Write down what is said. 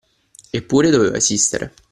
Eppure doveva esistere.